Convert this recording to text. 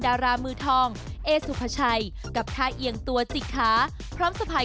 ดารามือทองเอสุภาชัยกับท่าเอียงตัวจิกขาพร้อมสะพาย